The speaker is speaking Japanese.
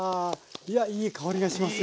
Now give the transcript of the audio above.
いやいい香りがしますよ。